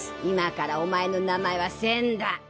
今からお前の名前は千だ。